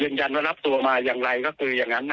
ยืนยันว่ารับตัวไหมครับอย่างไรหรือคืออย่างนั้น